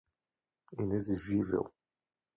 inexigível